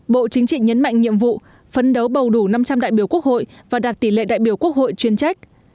bộ chính trị nhấn mạnh nhiệm vụ phấn đấu bầu đủ năm trăm linh đại biểu quốc hội và đạt tỷ lệ đại biểu quốc hội chuyên trách